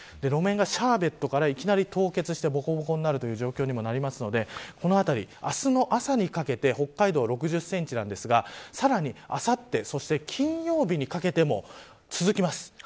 路面がシャーベットからいきなり凍結してぼこぼこになる状況になるのでこのあたり、明日の朝にかけて北海道は６０センチなんですがさらに、あさってそして金曜日にかけても続きます。